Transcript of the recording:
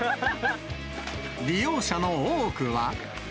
利用者の多くは。